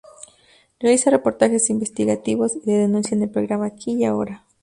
Realiza reportaje investigativos y de denuncia en el programa "Aquí y Ahora".